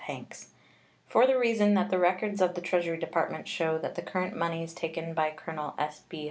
Hanks," for the reason that the records of the Treasury Department show that the current moneys taken by Colonel S.B.